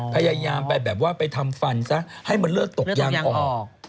พยายามไปแบบว่าไปทำฟันซะให้มันเลือดตกยางออก